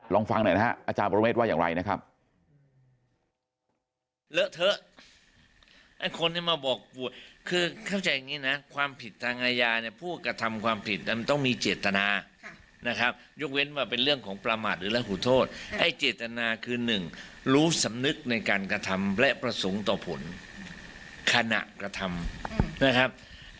ลองฟังหน่อยนะครับอาจารย์ประเวทว่าอย่างไรนะครับ